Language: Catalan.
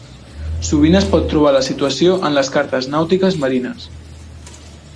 Sovint es pot trobar la situació en les cartes nàutiques marines.